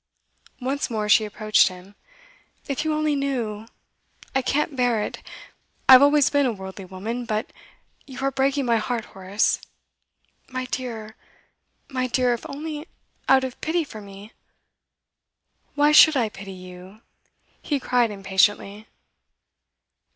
Once more she approached him. 'If you only knew I can't bear it I've always been a worldly woman, but you are breaking my heart, Horace! My dear, my dear, if only out of pity for me ' 'Why should I pity you?' he cried impatiently.